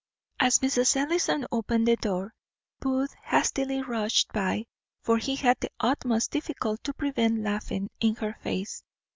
As Mrs. Ellison opened the door, Booth hastily rushed by; for he had the utmost difficulty to prevent laughing in her face.